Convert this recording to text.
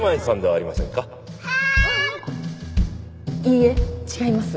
いいえ違います。